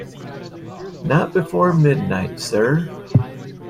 Not before midnight, sir.